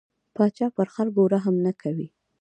پاچا پر خلکو رحم نه کوي.